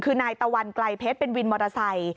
คือนายตะวันไกลเพชรเป็นวินมอเตอร์ไซค์